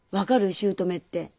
姑って。